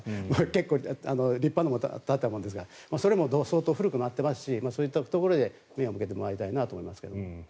結構立派なものが立っているんですが相当古くなっていますしそういうところに目を向けてもらいたいなと思います。